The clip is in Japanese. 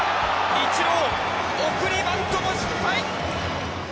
イチロー送りバントの失敗。